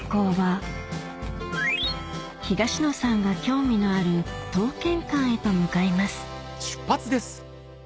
東野さんが興味のある刀剣館へと向かいます